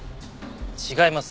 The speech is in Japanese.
違います。